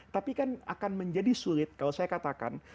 tapi kan akan menjadi sulit kalau saya katakan